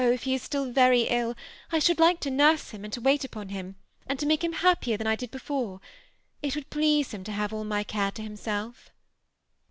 if he is still very ill, I should like to nurse him and to wait upon him, and to make him happier than I did before. It would please him to have all my care to himself."